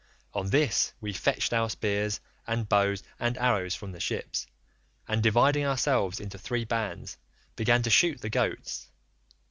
On this we fetched our spears and bows and arrows from the ships, and dividing ourselves into three bands began to shoot the goats.